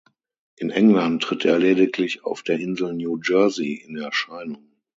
In England tritt er lediglich auf der Insel New Jersey in Erscheinung.